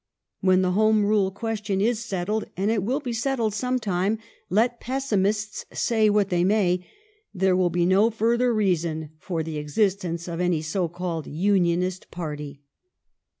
When the Home Rule question is settled, and it will be settled some time, let pessimists say what they may, there will be no further reason for the exist ence of any so called Unionist party.